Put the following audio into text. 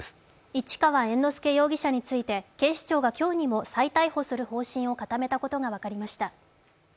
市川猿之助容疑者について警視庁が今日にも再逮捕する方針を固めた５が分かりました。